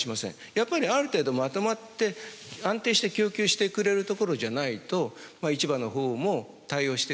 やっぱりある程度まとまって安定して供給してくれるところじゃないと市場の方も対応してくれない。